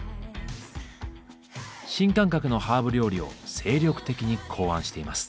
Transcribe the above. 新感覚のハーブ料理を精力的に考案しています。